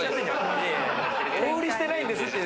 お売りしてないんですって